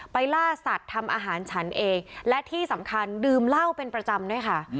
ล่าสัตว์ทำอาหารฉันเองและที่สำคัญดื่มเหล้าเป็นประจำด้วยค่ะ